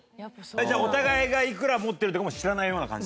じゃあお互いがいくら持ってるとかも知らないような感じ？